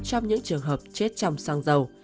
trong những trường hợp chết trong sang dầu